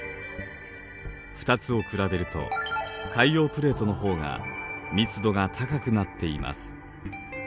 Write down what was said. ２つを比べると海洋プレートの方が密度が高くなっています。